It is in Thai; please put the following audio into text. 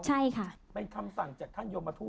ใช่ค่ะเป็นคำสั่งจากท่านยมทูต